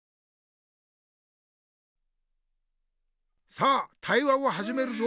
さあ対話をはじめるぞ。